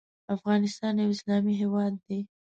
افغانستان یو اسلامی هیواد دی .